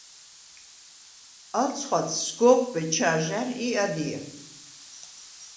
ალ ცხვადს სგო̄ხვბე ჩა̄ჟა̈რ ი ადჲე.